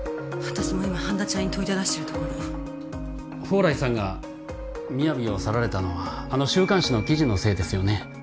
私も今半田ちゃんに問いただしてるところ宝来さんがＭＩＹＡＶＩを去られたのはあの週刊誌の記事のせいですよね